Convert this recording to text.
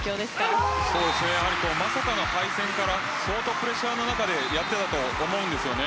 今まさかの敗戦から相当プレッシャーの中でやっていたと思うんですよね。